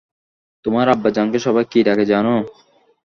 তোমার আব্বাজানকে সবাই কী ডাকে জানো?